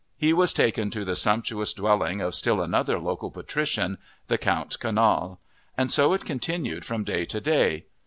He was taken to the sumptuous dwelling of still another local patrician, the Count Canal. And so it continued from day to day.